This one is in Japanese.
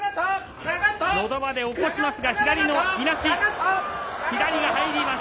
のど輪で起こしますが、左のいなし。